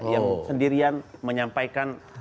yang sendirian menyampaikan